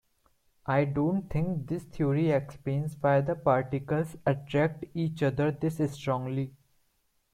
I don't think this theory explains why the particles attract each other this strongly.